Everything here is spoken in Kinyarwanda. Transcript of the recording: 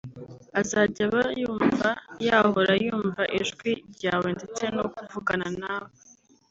azajya aba yumva yahora yumva ijwi ryawe ndetse no kuvugana nawe